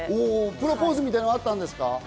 プロポーズみたいなのはあったんですか？